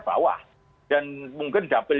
bawah dan mungkin dapil